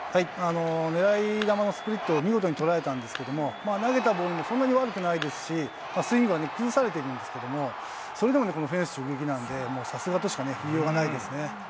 狙い球のスプリットを見事に捉えたんですけど、投げたボールもそんなに悪くないですし、スイングは崩されてるんですけれども、それでもこのフェンス直撃なんで、さすがとしか言いようがないですね。